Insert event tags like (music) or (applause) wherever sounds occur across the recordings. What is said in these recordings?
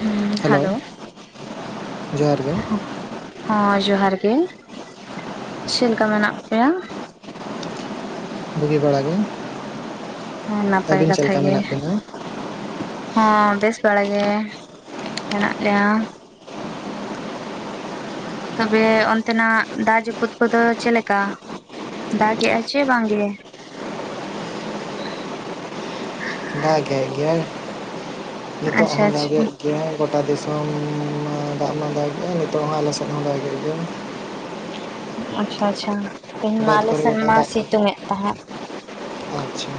ᱦᱩᱸ ᱦᱮᱞᱳ᱾ ᱡᱚᱦᱟᱨ ᱜᱮ ᱦᱟᱸ ᱡᱚᱦᱟᱨ ᱜᱮ ᱪᱮᱞᱮᱠᱟ ᱢᱮᱱᱟᱜ ᱯᱮᱭᱟ? ᱵᱩᱜᱤ ᱵᱟᱲᱟᱜᱤ ᱜᱮ, ᱦᱮᱸ ᱱᱟᱯᱟᱭ ᱟᱹᱵᱤᱱ ᱪᱮᱫ ᱠᱟᱛᱷᱟ ᱞᱮᱠᱟ ᱜᱮ ᱢᱮᱱᱟᱜ ᱵᱤᱱᱟ? ᱦᱚᱸ ᱵᱮᱥ ᱵᱟᱲ ᱜᱮ ᱢᱮᱱᱟᱜ ᱞᱮᱭᱟ᱾ ᱛᱚᱵᱮ ᱚᱱᱛᱮᱱᱟᱜ ᱫᱟᱜ ᱡᱟᱹᱯᱩᱫ ᱠᱚᱫᱚ ᱪᱮᱫᱮᱠᱟ? ᱫᱟᱜᱮᱜᱼᱟ ᱥᱮ ᱵᱟᱝᱜᱮ? ᱫᱟᱜᱮ ᱜᱮᱭᱟᱭ ᱱᱤᱛᱚᱜ ᱟᱪᱪᱷᱟ ᱦᱚᱸ ᱟᱪᱪᱷᱟ ᱫᱟᱜᱮ ᱜᱮ ᱜᱮ ᱜᱚᱴᱟ ᱫᱤᱥᱚᱢ ᱢᱟ ᱫᱟᱜ ᱢᱟ ᱫᱟᱜ ᱱᱤᱛᱚᱜ ᱦᱚᱸ ᱟᱞᱮ ᱥᱮᱫ ᱦᱚᱸ ᱫᱟᱜ ᱜᱮᱭᱟ᱾ ᱟᱪᱪᱷᱟ ᱪᱷᱟ ᱛᱮᱦᱮᱧ ᱢᱟ ᱵᱟᱹᱫᱽ ᱟᱞᱮ ᱠᱚᱨᱮ ᱥᱮᱱ ᱜᱚᱴᱟ ᱢᱟ ᱫᱟᱜ ᱜᱮ᱾ ᱥᱤᱛᱩᱝ ᱮᱫ ᱛᱟᱦᱮᱸᱫ᱾ ᱟᱪᱪᱷᱟ᱾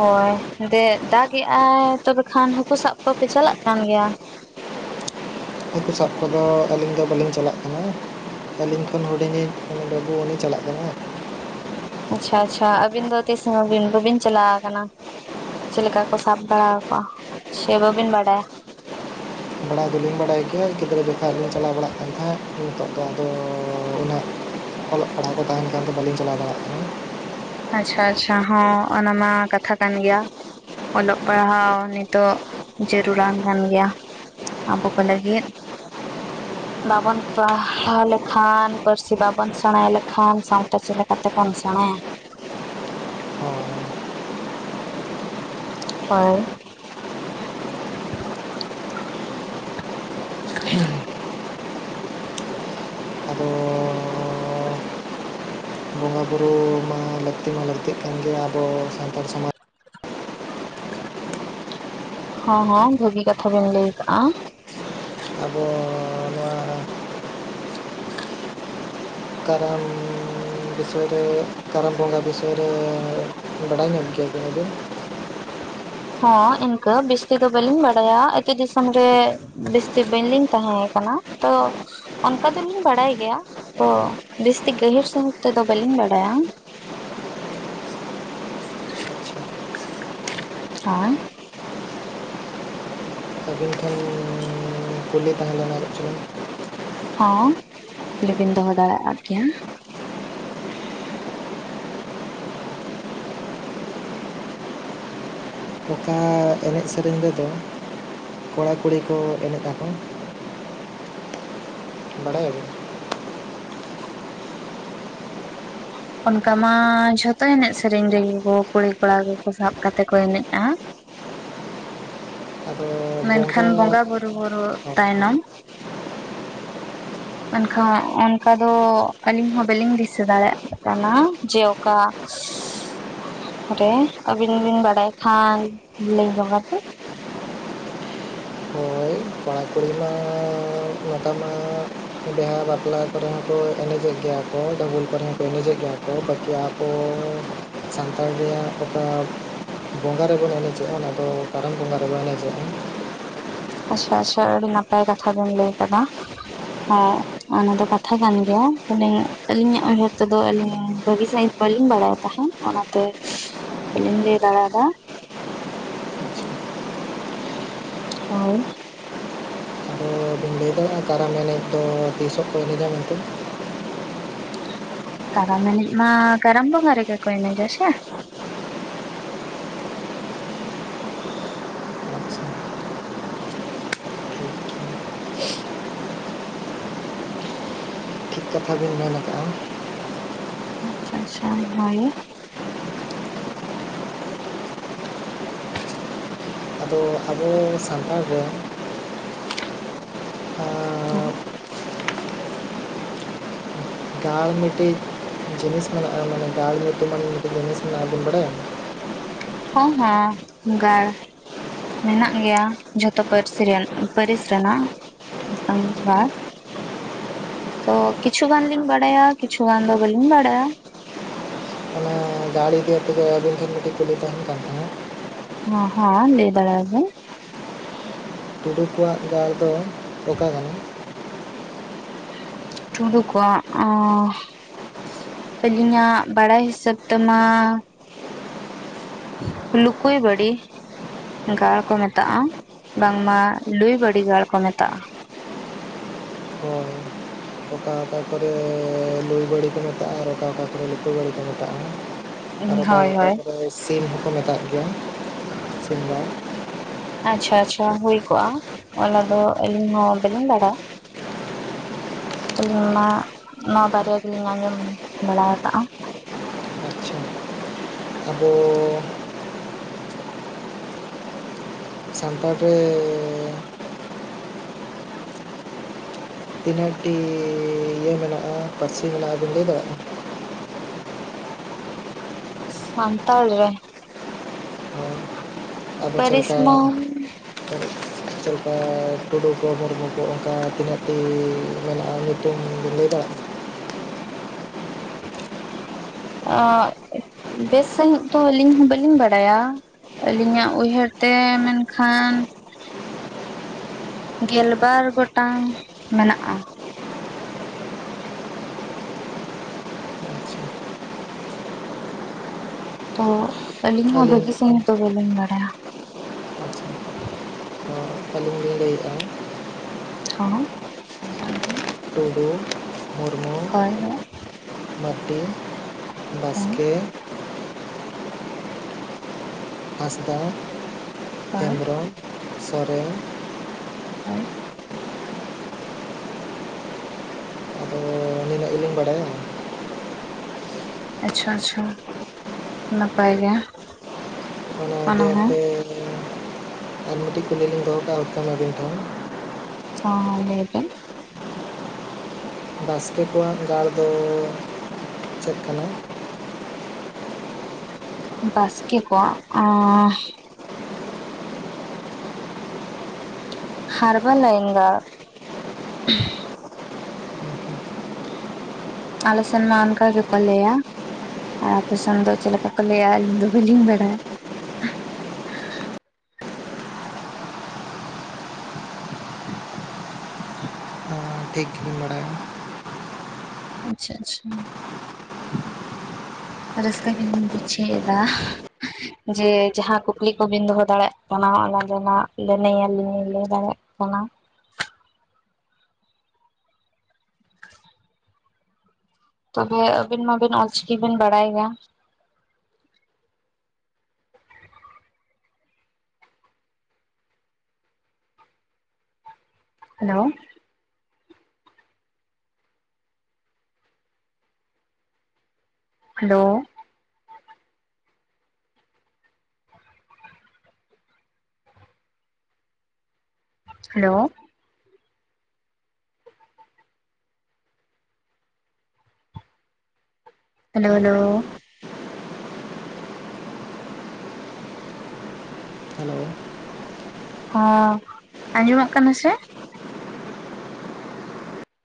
ᱦᱳᱭ ᱫᱮ ᱫᱟᱜ ᱮᱮᱜᱟᱭ ᱛᱚᱵᱮ ᱠᱷᱟᱱ ᱦᱟᱹᱠᱩ ᱥᱟᱵ ᱠᱚᱣᱯᱮ ᱪᱟᱞᱟᱜ ᱠᱟᱱ ᱜᱮᱭᱟ? ᱦᱟᱹᱠᱩ ᱥᱟᱵ ᱠᱚᱫᱚ ᱟᱹᱞᱤᱧ ᱫᱚ ᱵᱟᱹᱞᱤᱧ ᱪᱟᱞᱟᱜ ᱠᱟᱱᱟ᱾ ᱟᱹᱞᱤᱧ ᱠᱷᱚᱱ ᱦᱩᱰᱤᱧᱤᱧ ᱵᱟᱹᱵᱩ ᱩᱱᱤᱭ ᱪᱟᱞᱟᱜ ᱠᱟᱱᱟ᱾ ᱟᱪᱪᱷᱟ ᱟᱪᱪᱷᱟ ᱟᱹᱵᱤᱱ ᱫᱚ ᱛᱤᱥ ᱦᱚᱸ ᱵᱤᱱ ᱵᱟᱵᱤᱱ ᱪᱟᱞᱟᱣ ᱟᱠᱟᱱᱟ? ᱪᱮᱫ ᱞᱮᱠᱟ ᱠᱚ ᱥᱟᱵ ᱵᱟᱲᱟᱠᱚᱣᱟ ᱥᱮ ᱵᱟᱟᱹᱵᱤᱱ ᱵᱟᱰᱟᱭᱟ? ᱵᱟᱲᱟᱭ ᱫᱚᱞᱤᱧ ᱵᱟᱲᱟᱭ ᱜᱮᱭᱟ ᱜᱤᱫᱽᱨᱟᱹ ᱡᱚᱠᱷᱟ ᱞᱤᱧ ᱪᱟᱞᱟᱣ ᱵᱟᱲᱟᱜ ᱠᱟᱱ ᱛᱟᱦᱮᱸᱫ ᱱᱤᱛᱚᱜ ᱫᱚ ᱟᱫᱚ ᱩᱱᱟᱹᱜᱼᱼ ᱚᱞᱚᱜ ᱯᱟᱲᱦᱟᱜ ᱠᱚ ᱛᱟᱦᱮᱱ ᱠᱷᱟᱱ ᱫᱚ ᱵᱟᱹᱞᱤᱧ ᱪᱟᱞᱟᱣ ᱫᱟᱲᱮᱭᱟᱜ ᱠᱟᱱᱟᱼᱼ ᱟᱪᱪᱷᱟ ᱟᱪᱪᱷᱟ ᱦᱚᱸ ᱚᱱᱟ ᱢᱟ ᱠᱟᱛᱷᱟ ᱠᱟᱱ ᱜᱮᱭᱟ᱾ ᱚᱞᱚᱜ ᱯᱟᱲᱦᱟᱣ ᱱᱤᱛᱚᱜ ᱡᱟᱹᱨᱩᱲᱟᱱ ᱠᱟᱱ ᱜᱮᱭᱟ᱾ ᱟᱵᱩ ᱠᱚ ᱞᱟᱹᱜᱤᱫᱼᱼ ᱵᱟᱵᱚᱱ ᱯᱟᱲᱦᱟᱣ ᱞᱮᱠᱷᱟᱱ ᱯᱟᱹᱨᱥᱤ ᱵᱟᱵᱚᱱ ᱥᱮᱬᱟ ᱞᱮᱠᱷᱟᱱ ᱥᱟᱶᱛᱟ ᱪᱮᱫ ᱞᱮᱠᱟ ᱞᱮᱠᱟᱛᱮ ᱵᱚᱱ ᱥᱮᱬᱟᱭᱟᱼᱼ (unintelligible) ᱦᱮᱸ (unintelligible) ᱼᱼ ᱦᱳᱭ᱾ (unintelligible) ᱼᱼ ᱟᱫᱚ (unintelligible) ᱵᱚᱸᱜᱟ ᱵᱩᱨᱩ ᱢᱟ ᱞᱟᱹᱠᱛᱤ ᱢᱟ ᱞᱟᱹᱠᱛᱤᱜ ᱠᱟᱱᱼᱼ ᱡᱮ ᱟᱵᱚ ᱥᱟᱱᱛᱟᱲ ᱥᱚᱢᱟᱡᱽᱼᱼ (unintelligible) ᱦᱮᱸ ᱦᱮᱸ ᱵᱷᱟᱹᱜᱤ ᱠᱟᱛᱷᱟ ᱵᱤᱱ ᱞᱟᱹᱭ ᱠᱟᱜᱼᱟᱼᱼ ᱟᱵᱚ ᱱᱚᱣᱟ ᱠᱟᱨᱟᱢᱼᱼ (unintelligible) ᱼᱼ (unintelligible) ᱠᱟᱨᱟᱢ ᱯᱚᱸᱜᱟ ᱵᱮᱥᱚᱭᱨᱮ ᱵᱟᱲᱟᱭ ᱧᱟᱢ ᱠᱮᱫᱟ ᱵᱮᱱ ᱟᱵᱮᱱᱼᱼ ᱦᱚᱸ ᱤᱱᱠᱟᱹ ᱡᱟᱹᱥᱛᱤ ᱫᱚ ᱵᱟᱹᱞᱤᱧ ᱵᱟᱲᱟᱭᱟ ᱟᱹᱛᱩ ᱫᱤᱥᱚᱢ ᱨᱮᱼᱼ ᱡᱟᱹᱥᱛᱤ ᱵᱟᱹᱝ ᱞᱤᱧ ᱛᱟᱦᱮᱸ ᱠᱟᱱᱟ ᱛᱚᱼᱼ ᱚᱱᱠᱟ ᱫᱚᱞᱤᱧ ᱵᱟᱲᱟᱭ ᱜᱮᱭᱟ ᱛᱚ ᱡᱟᱹᱥᱛᱤ ᱜᱟᱹᱦᱤᱨ ᱥᱟᱹᱦᱤᱡ ᱛᱮᱫᱚ ᱵᱟᱹᱞᱤᱧ ᱵᱟᱲᱟᱭᱟ᱾ ᱟᱪᱪᱷᱟ ᱦᱮᱸ᱾ (unintelligible) ᱟᱹᱵᱤᱱ ᱴᱷᱮᱱᱼᱼ ᱠᱩᱞᱤ ᱛᱟᱦᱮᱸ ᱞᱮᱱᱟ ᱪᱮᱫ ᱪᱚᱝᱼᱼ ᱦᱚᱸ ᱠᱩᱠᱞᱤ ᱵᱮᱱ ᱫᱚᱦᱚ ᱫᱟᱲᱮ ᱟᱜ ᱜᱮᱭᱟᱼᱼ ᱚᱠᱟ ᱮᱱᱮᱡ ᱥᱮᱨᱮᱧ ᱨᱮᱫᱚ ᱠᱚᱲᱟ ᱠᱩᱲᱤ ᱠᱚ ᱮᱱᱮᱡ ᱟᱠᱚ? ᱵᱟᱲᱟᱭ ᱟᱵᱤᱱ? ᱚᱱᱠᱟ ᱢᱟ ᱡᱷᱚᱛᱚ ᱮᱱᱮᱡ ᱥᱮᱨᱮᱧ ᱨᱮᱜᱮ ᱠᱩᱲᱤ ᱠᱚᱲᱟ ᱠᱚᱠᱚ ᱥᱟᱵ ᱠᱟᱛᱮ ᱠᱚ ᱮᱱᱮᱡᱼᱟ᱾ ᱟᱫᱚᱼᱼ ᱢᱮᱱᱠᱷᱟᱱ ᱵᱚᱸᱜᱟ ᱵᱩᱨᱩ (unintelligible) ᱛᱟᱭᱱᱚᱢᱼᱼ ᱢᱮᱱᱠᱷᱟᱱ ᱚᱱᱠᱟ ᱫᱚ ᱟᱹᱞᱤᱧ ᱦᱚᱸ ᱵᱟᱹᱞᱤᱧ ᱫᱤᱥᱟᱹ ᱫᱟᱲᱮᱭᱟᱜ ᱠᱟᱱᱟ ᱡᱮ ᱚᱠᱟᱼᱼ (unintelligible) ᱨᱮ ᱟᱹᱵᱤᱱ ᱵᱤᱱ ᱵᱟᱲᱟᱭ ᱠᱷᱟᱱ ᱞᱟᱹᱭ ᱧᱚᱜ ᱟᱵᱤᱱᱼᱼ ᱦᱚᱭ ᱠᱚᱲᱟ ᱠᱩᱲᱤ ᱢᱟ ᱱᱮᱛᱟᱨ ᱢᱟᱼᱼ ᱵᱤᱦᱟ ᱵᱟᱯᱞᱟ ᱠᱚᱨᱮ ᱦᱚᱸ ᱠᱚ ᱮᱱᱮᱡᱮᱜ ᱜᱮᱭᱟ ᱠᱚ ᱰᱟᱹᱵᱩᱝ ᱠᱚᱨᱮ ᱦᱚᱸ ᱠᱚ ᱮᱱᱮᱡᱮᱜᱼᱼ ᱡᱟᱦᱟᱸ ᱠᱚ ᱯᱟᱹᱠᱤᱭᱟ ‌ᱠᱚᱼᱼ ᱥᱟᱱᱛᱟᱲ ᱨᱮᱭᱟᱜ ᱚᱠᱟ ᱵᱚᱸᱜᱟ ᱨᱮᱵᱚᱱ ᱮᱱᱮᱡᱚᱜ-ᱟ ᱚᱱᱟ ᱫᱚ ᱠᱟᱨᱟᱢ ᱵᱚᱸᱜᱟ ᱨᱮᱵᱚᱱ ᱮᱱᱮᱡᱚᱜ-ᱟ᱾ ᱟᱪᱪᱷᱟ ᱟᱪᱪᱷᱟ ᱟᱹᱰᱤ ᱱᱟᱯᱟᱭ ᱠᱟᱛᱷᱟ ᱵᱤᱱ ᱞᱟᱹᱭ ᱟᱠᱟᱫᱟ, ᱦᱮᱸ᱾ ᱚᱱᱟ ᱫᱚ ᱠᱟᱛᱷᱟ ᱠᱟᱱ ᱜᱮᱭᱟ (unintelligible) ᱟᱹᱞᱤᱧᱟᱜ ᱩᱭᱦᱟᱹᱨ ᱛᱮᱫᱚ ᱟᱹᱞᱤᱧ ᱵᱷᱟᱹᱜᱤ ᱥᱟᱺᱦᱤᱡ ᱵᱟᱹᱞᱤᱧ ᱵᱟᱲᱟᱭ ᱛᱟᱦᱮᱸᱫ᱾ ᱚᱱᱟᱛᱮ (unintelligible) ᱵᱟᱹᱞᱤᱧ ᱞᱟᱹᱭ ᱫᱟᱲᱮ ᱟᱫᱟ᱾ (unintelligible) ᱦᱳᱭ᱾ ᱟᱫᱚ ᱵᱤᱱ ᱞᱟᱹᱭ ᱮᱫᱟᱼᱼ ᱚᱱᱟ ᱠᱟᱨᱟᱢ ᱮᱱᱮᱡ ‌ ᱫᱚ ᱛᱤᱥᱚᱜ ᱠᱚ ᱮᱱᱮᱡᱟ ᱢᱮᱱᱛᱮ‌? ᱠᱟᱨᱟᱢ ᱮᱱᱮᱡ ᱢᱟ ᱠᱟᱨᱟᱢ ᱵᱚᱸᱜᱟ ᱨᱮ‌ᱜᱮ ᱠᱚ ᱮᱱᱮᱡᱼᱟ ᱥᱮ ᱾ ᱟᱪᱪᱷᱟ ᱴᱷᱤᱠ ᱴᱷᱤᱠ ᱠᱟᱛᱷᱟ ᱵᱤᱱ ᱢᱮᱱ ᱟᱠᱟᱜ-ᱟ᱾ ᱟᱪᱪᱷᱟ ᱟᱪᱪᱷᱟ ᱦᱚᱭ᱾ ᱟᱫᱚ ᱟᱵᱚ ᱥᱟᱱᱛᱟᱲ ᱦᱚᱲᱼᱼ ᱦᱚᱭ᱾ (unintelligible) ᱼᱼ ᱜᱟᱲ ᱢᱤᱴᱤᱡ ᱡᱤᱱᱤᱥ ᱢᱮᱱᱟᱜ-ᱟ ᱢᱟᱱᱮ ᱜᱟᱲ ᱧᱩᱛᱩᱢᱟᱱ ᱢᱤᱫ ᱡᱤᱱᱤᱥ ᱢᱮᱱᱟᱜ-ᱟ ᱵᱤᱱ ᱵᱟᱲᱟᱭᱟ? ᱦᱚᱸ ᱦᱚᱸ ᱜᱟᱲ᱾ ᱢᱮᱱᱟᱜ ᱜᱮᱭᱟ ᱡᱷᱚᱛᱚ ᱯᱟᱹᱨᱥᱤ ᱨᱮᱱ ᱯᱟᱹᱨᱤᱥ ᱨᱮᱱᱟᱜ ᱢᱤᱫᱴᱟᱝ ᱜᱟᱲ᱾ ᱛᱚ ᱠᱤᱪᱷᱩ ᱜᱟᱱ ᱞᱤᱧ ᱵᱟᱲᱟᱭᱟ ᱠᱤᱪᱷᱩ ᱜᱟᱱ ᱫᱚ ᱵᱟᱹᱞᱤᱧ ᱵᱟᱲᱟᱭᱟ᱾ ᱚᱱᱟ ᱜᱟᱲ ᱤᱫᱤ ᱠᱟᱛᱮᱜ ᱜᱮ ᱟᱹᱵᱤᱱ ᱴᱷᱮᱱ ᱢᱤᱫᱴᱤᱡ ᱠᱩᱞᱤ ᱛᱟᱦᱮᱱ ᱠᱟᱱ ᱛᱟᱦᱮᱸᱜᱼᱼ ᱦᱚᱸ ᱦᱚᱸ ᱞᱟᱹᱭ ᱫᱟᱲᱮᱜ ᱟᱵᱮᱱ᱾ ᱴᱩᱰᱩ ᱠᱚᱣᱟᱜ ᱜᱟᱲ ᱫᱚ ᱚᱠᱟ ᱠᱟᱱᱟ? ᱴᱩᱰᱩ ᱠᱚᱣᱟᱜ ᱚᱸᱻ ᱟᱹᱞᱤᱧᱟᱜ ᱵᱟᱲᱟᱭ ᱦᱤᱥᱟᱹᱵᱽ ᱛᱮᱢᱟᱻ ᱞᱩᱠᱩᱭ ᱵᱟᱹᱲᱤ᱾ ᱜᱟᱲ ᱠᱚ ᱢᱮᱛᱟᱜ-ᱟ ᱵᱟᱝ ᱢᱟ ᱞᱩᱭ ᱵᱟᱹᱲᱤ ᱜᱟᱲ ᱠᱚ ᱢᱮᱛᱟᱜ-ᱟ᱾ ᱦᱚᱭ ᱚᱠᱟ ᱼᱼ ᱚᱠᱟ ᱠᱚᱨᱮᱻ ᱞᱩᱼᱼ ᱵᱟᱹᱲᱤ ᱠᱚ ᱢᱮᱛᱟᱜ-ᱟ ᱟᱨ ᱚᱠᱟᱼᱼ ᱚᱠᱟ ᱠᱚᱨᱮ ᱞᱩᱠᱩᱭ ᱵᱟᱹᱲᱤ ᱠᱚ ᱢᱮᱛᱟᱜ-ᱟ᱾ ᱟᱨ ᱚᱠᱟ ᱦᱳᱭ ᱦᱳᱭ ᱠᱚᱨᱮ ᱥᱤᱢ ᱦᱚᱸᱠᱚ ᱢᱮᱛᱟᱜ ᱜᱮᱭᱟ ᱥᱤᱢ ᱜᱟᱲ᱾ ᱟᱪᱪᱷᱟ ᱟᱪᱪᱷᱟ ᱦᱩᱭ ᱠᱚᱜ-ᱟ ᱚᱱᱟ ᱫᱚ ᱟᱹᱞᱤᱧ ᱦᱚᱸ ᱵᱟᱹᱞᱤᱧ ᱵᱟᱲᱟᱭᱟ᱾ ᱟᱹᱞᱤᱧ ᱢᱟ ᱱᱚᱶᱟ ᱵᱟᱨᱭᱟ ᱜᱮᱞᱤᱧ ᱟᱸᱡᱚᱢ ᱵᱟᱲᱟ ᱟᱠᱟᱜ-ᱟ᱾ ᱟᱵᱚᱻ ᱥᱟᱱᱛᱟᱲ ᱨᱮᱻ ᱛᱤᱱᱟᱹᱜ ᱴᱤᱻ ᱤᱭᱟᱹ ᱢᱮᱱᱟᱜ-ᱟ ᱯᱟᱹᱨᱥᱤ ᱢᱮᱱᱟᱜ-ᱟ ᱵᱤᱱ ᱞᱟᱹᱭ ᱫᱟᱲᱮᱭᱟᱜ-ᱟ? ᱥᱟᱱᱛᱟᱲ ᱨᱮ? ᱦᱚᱭ ᱟᱫᱚ ᱪᱮᱫ ᱯᱟᱹᱨᱤᱥ ᱞᱮᱠᱟ? ᱢᱟ ᱪᱮᱫ ᱞᱮᱠᱟ ᱴᱩᱰᱩ ᱠᱚ ᱢᱩᱨᱢᱩ ᱠᱚ ᱚᱱᱠᱟ ᱛᱤᱱᱟᱹᱜ ᱴᱤᱻ ᱢᱮᱱᱟᱜ-ᱟ? ᱧᱩᱛᱩᱢ‌ ᱵᱤᱱ ᱞᱟᱹᱭ ᱫᱟᱲᱮᱜ-ᱟ? ᱟᱸᱜ ᱵᱮᱥ ᱥᱟᱺᱦᱤᱡ ᱛᱚ ᱟᱹᱞᱤᱧ ᱦᱚᱸ ᱵᱟᱹᱞᱤᱧ ᱵᱟᱰᱟᱭᱟ᱾ ᱟᱹᱞᱤᱧᱟᱜ ᱩᱭᱦᱟᱹᱨ ᱛᱮ ᱢᱮᱱᱠᱷᱟᱱᱼᱼ ᱜᱮᱞᱵᱟᱨ ᱜᱚᱴᱟᱝ ᱢᱮᱱᱟᱜ-ᱟ᱾ ᱟᱪᱪᱷᱟ ᱛᱚ ᱟᱹᱞᱤᱧ ᱦᱚᱸ ᱵᱷᱟᱹᱜᱤ ᱥᱟᱺᱦᱤᱡ ᱫᱚ ᱵᱟᱹᱞᱤᱧ ᱵᱟᱰᱟᱭᱟ᱾ ᱟᱪᱪᱷᱟ ᱛᱚ ᱟᱹᱞᱤᱧ ᱞᱤᱧ ᱞᱟᱹᱭᱮᱜ-ᱟ᱾ ᱦᱚᱸ ᱞᱟᱹᱭ ᱵᱤᱱ᱾ ᱴᱩᱰᱩ ᱢᱩᱨᱢᱩᱼᱼ ᱦᱳᱭ ᱦᱳᱭ᱾ ᱢᱟᱨᱰᱤ ᱵᱟᱥᱠᱮ ᱦᱳᱭ ᱼᱼ ᱦᱟᱸᱥᱫᱟᱼᱼ ᱦᱮᱢᱵᱨᱚᱢ ᱥᱚᱨᱮᱱᱼᱼ ᱟᱨᱼᱼ ᱟᱫᱚ ᱱᱤᱱᱟᱹᱜ ᱵᱟᱰᱟᱭᱟ ᱼᱼ ᱟᱪᱪᱷᱟ ᱟᱪᱪᱷᱟ ᱱᱟᱯᱟᱭ ᱜᱮ ᱾ ᱟᱯᱮ ᱟᱨ ᱢᱤᱫᱴᱤᱡ ᱠᱩᱞᱤ ᱞᱤᱧ ᱫᱚᱦᱚ ᱠᱟᱜᱼᱟ ᱟᱹᱵᱤᱱ ᱴᱷᱮᱱ ᱾ ᱦᱚᱸ ᱞᱟᱹᱭ ᱵᱮᱱ᱾ ᱵᱟᱥᱠᱮ ᱠᱚᱣᱟᱜ ᱜᱟᱲ ᱫᱚ ᱪᱮᱫ ᱠᱟᱱᱟ? ᱵᱟᱥᱠᱮ ᱠᱚᱣᱟᱜ ᱚᱸᱻ ᱦᱟᱨᱵᱟ ᱞᱟᱭᱮᱝ ᱜᱟᱲ ᱾ ᱟᱞᱮ ᱥᱮᱱ ᱢᱟ ᱟᱱᱠᱟ ᱜᱮ ᱠᱚ ᱞᱟᱹᱭᱟ ᱾ ᱟᱯᱮ ᱥᱮᱱ ᱫᱚ ᱪᱮᱫ ᱞᱮᱠᱟ ᱠᱚ ᱞᱟᱹᱭᱟ ᱟᱹᱞᱤᱧ ᱫᱚ ᱵᱟᱹᱞᱤᱧ ᱵᱟᱰᱟᱭᱟ ᱾ ᱴᱷᱤᱠ ᱜᱮᱢ ᱵᱟᱲᱟᱭᱟ ᱾ ᱟᱪᱪᱷᱟ ᱟᱪᱪᱷᱟ ᱾ ᱨᱟᱹᱥᱠᱟᱹ ᱧᱚᱜᱼᱤᱧ ᱵᱩᱡᱷᱟᱹᱣ ᱮᱫᱟ ᱾ ᱡᱮ ᱡᱟᱦᱟᱸ ᱠᱩᱠᱞᱤ ᱠᱚᱵᱤᱱ ᱫᱚᱦᱚ ᱫᱟᱲᱮᱭᱟᱜ ᱠᱟᱱᱟ ᱚᱱᱟ ᱫᱚ ᱞᱟᱹᱱᱟᱭᱟᱞᱤᱧ ᱞᱟᱹᱭ ᱫᱟᱲᱮᱭᱟᱜ ᱠᱟᱱᱟ ᱾ ᱚᱱᱟᱼᱼ ᱛᱚᱵᱮ ᱟᱹᱵᱤᱱ ᱢᱟᱵᱤᱱ ᱚᱞᱪᱤᱠᱤ ᱵᱤᱱ ᱵᱟᱲᱟᱭ ᱜᱮᱭᱟ ᱾ Hello hello hello. Hello hello hello ᱦᱚᱸ ᱟᱸᱡᱚᱢᱚᱜ ᱠᱟᱱᱟ ᱥᱮ